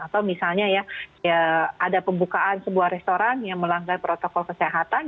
atau misalnya ya ada pembukaan sebuah restoran yang melanggar protokol kesehatan